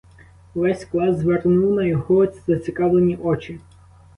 Увесь клас звернув на його зацікавлені очі.